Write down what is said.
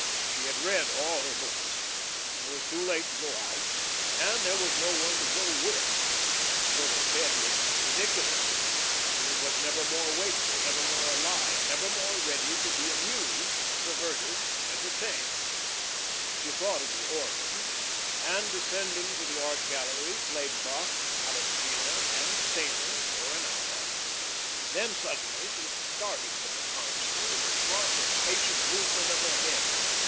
She had read all her books. It was too late to go out and there was no one to go with. To go to bed was ridiculous. She was never more wakeful, never more alive, never more ready to be amused, diverted, entertained. She thought of the organ, and descending to the art gallery, played Bach, Palestrina, and Stainer for an hour; then suddenly she started from the console, with a sharp, impatient movement of her head.